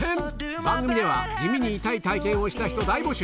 番組では地味に痛い体験をした人大募集！